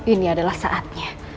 ini adalah saatnya